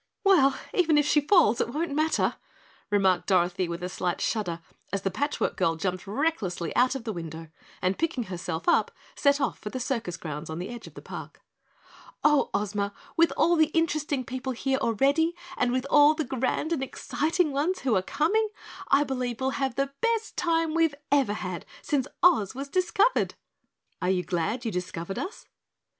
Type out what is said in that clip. "Well, even if she falls it won't matter," remarked Dorothy with a slight shudder as the Patch Work Girl jumped recklessly out of the window, and picking herself up set off for the circus grounds on the edge of the park. "Oh, Ozma, with all the interesting people here already and with all the grand and exciting ones who are coming, I believe we'll have the best time we've ever had since Oz was discovered." "Are you glad you discovered us?"